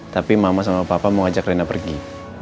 tapi mama sama papa mau ajak rena pergi